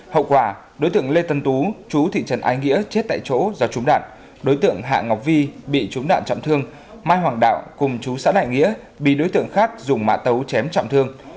hậu quả đối tượng lê tân tú chú thị trấn ái nghĩa chết tại chỗ do trúng đạn đối tượng hạ ngọc vi bị trúng đạn trọng thương mai hoàng đạo cùng chú xã đại nghĩa bị đối tượng khác dùng mạ tấu chém trọng thương